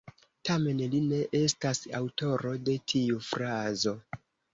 Tamen li ne estas aŭtoro de tiu frazo.